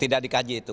tidak dikaji itu